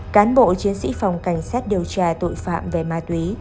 cán bộ chiến sĩ phòng cảnh sát điều tra tội phạm về ma túy